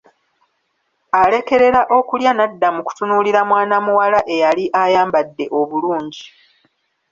alekerera okulya n'adda mu kutunuulira mwana muwala eyali ayambadde obulungi.